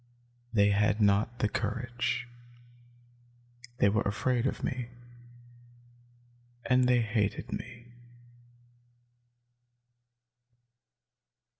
They had not the courage. They were afraid of me. And they hated me."